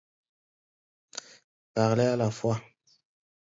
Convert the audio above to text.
Parlaient à la fois.